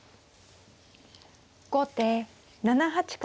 後手７八角成。